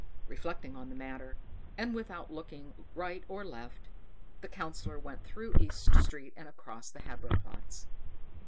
Reflecting on the matter, and without looking right or left, the Councillor went through East Street and across the Habro Platz.